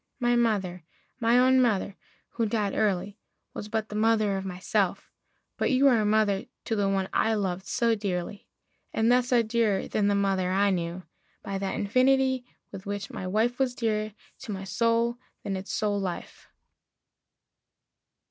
My mother my own mother, who died early, Was but the mother of myself; but you Are mother to the one I loved so dearly, And thus are dearer than the mother I knew By that infinity with which my wife Was dearer to my soul than its soul life.